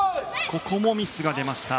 ここもミスが出ました。